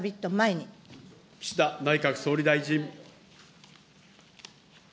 岸田内閣総理大臣。